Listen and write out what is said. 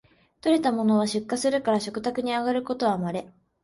採れたものは出荷するから食卓にあがることはまれ